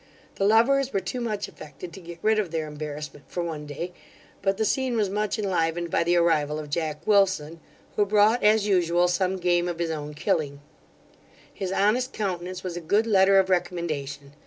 The lovers were too much affected to get rid of their embarrassment for one day; but the scene was much enlivened by the arrival of Jack Wilson, who brought, as usual, some game of his own killing His honest countenance was a good letter of recommendation.